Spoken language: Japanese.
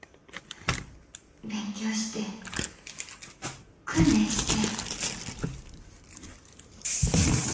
勉強して訓練して。